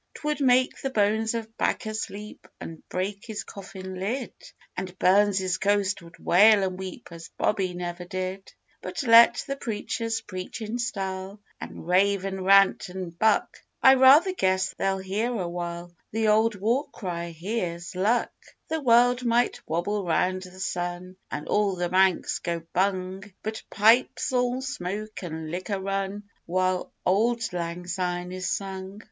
'Twould make the bones of Bacchus leap an' break his coffin lid; And Burns's ghost would wail an' weep as Bobby never did. But let the preachers preach in style, an' rave and rant 'n' buck, I rather guess they'll hear awhile the old war cry: 'Here's Luck!' The world might wobble round the sun, an' all the banks go bung, But pipes'll smoke an' liquor run while Auld Lang Syne is sung.